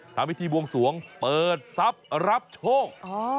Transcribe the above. ทำพิธีบวงสวงเปิดทรัพย์รับโชค